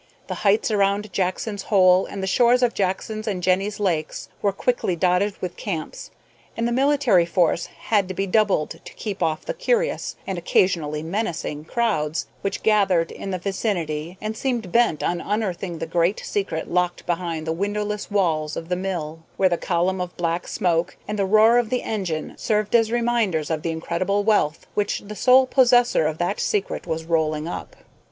The heights around Jackson's Hole and the shores of Jackson's and Jenny's lakes were quickly dotted with camps, and the military force had to be doubled to keep off the curious, and occasionally menacing, crowds which gathered in the vicinity and seemed bent on unearthing the great secret locked behind the windowless walls of the mill, where the column of black smoke and the roar of the engine served as reminders of the incredible wealth which the sole possessor of that secret was rolling up.